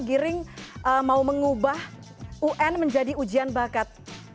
giring mau mengubah un menjadi ujian bakat